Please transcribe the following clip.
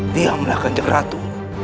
tiam lah kanjek ratu